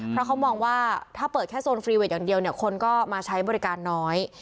เพราะเขามองว่าถ้าเปิดแค่โซนฟรีเวทอย่างเดียวเนี่ยคนก็มาใช้บริการน้อย